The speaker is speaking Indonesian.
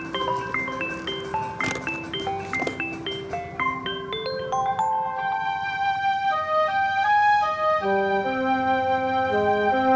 saya sudah berhenti